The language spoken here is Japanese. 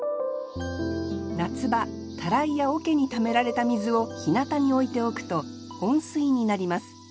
夏場たらいや桶にためられた水を日向に置いておくと温水になります。